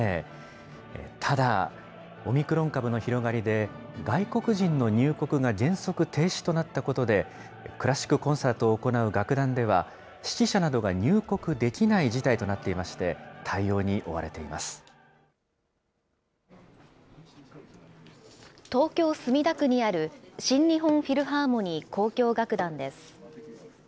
ただ、オミクロン株の広がりで、外国人の入国が原則停止となったことで、クラシックコンサートを行う楽団では、指揮者などが入国できない事態となっていまして、対応に追われて東京・墨田区にある、新日本フィルハーモニー交響楽団です。